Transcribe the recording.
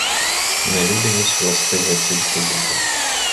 Нелюдяність властива тільки людям.